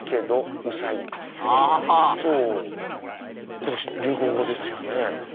今年の流行語ですよね。